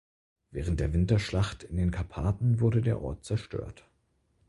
Während der Winterschlacht in den Karpaten wurde der Ort zerstört.